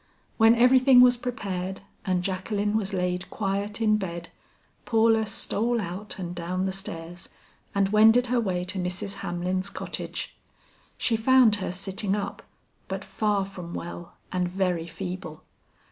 When everything was prepared and Jacqueline was laid quiet in bed, Paula stole out and down the stairs and wended her way to Mrs. Hamlin's cottage. She found her sitting up, but far from well, and very feeble.